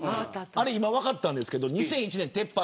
あれ今、分かったんですけど２００１年、撤廃。